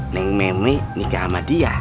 neng meme nikah sama dia